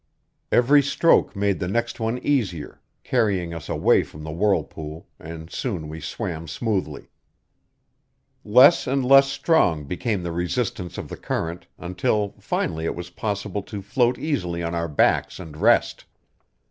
Every stroke made the next one easier, carrying us away from the whirlpool, and soon we swam smoothly. Less and less strong became the resistance of the current, until finally it was possible to float easily on our backs and rest.